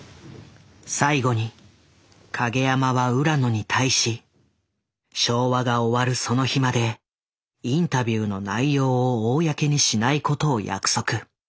最後に影山は浦野に対し昭和が終わるその日までインタビューの内容を公にしないことを約束。